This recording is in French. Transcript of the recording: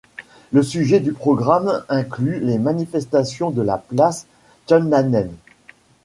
Le sujet du programme inclut les manifestations de la place Tian'anmen.